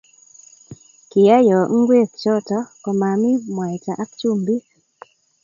kiayoo ngwek choto ko mamii mwaita ak chumbik